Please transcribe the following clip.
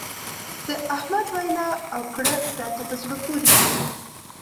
د احمد وينا او کړه راته په زړه پورې دي.